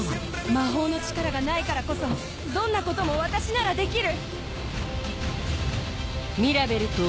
魔法の力がないからこそどんなことも私ならできる！